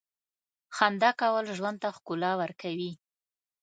• خندا کول ژوند ته ښکلا ورکوي.